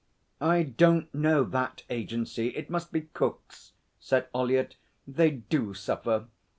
'I don't know that agency. It must be Cook's,' said Ollyett. 'They do suffer.'